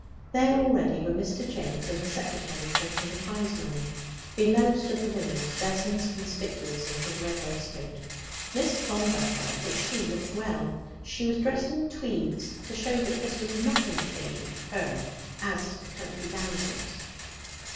There already were Mr. James and the secretary, counting the prize money. Below stood the winners, Vessons conspicuous in his red waistcoat. Miss Clomber felt that she looked well. She was dressed in tweeds to show that this was not an occasion to her as to the country damsels.